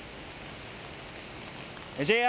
ＪＲ